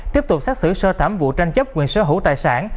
tiếp tục xác xử sơ thảm vụ tranh chấp quyền sở hữu tài sản